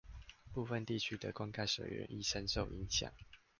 部分地區的灌溉水源亦深受影響